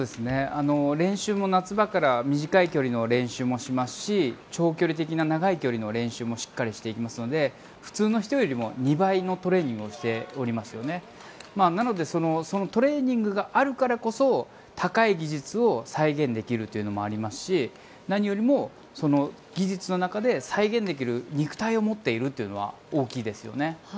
練習も夏場から短い距離の練習もしますし長距離的な長い距離の練習もしっかりしていますので普通の人よりも２倍のトレーニングをしておりますしそのトレーニングがあるからこそ高い技術を再現できるというのもありますし何よりも技術の中で再現できる肉体を持っているのは大きいですよね。